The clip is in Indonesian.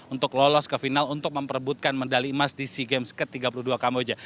untuk lolos ke final untuk memperebutkan medali emas di sea games ke tiga puluh dua kamboja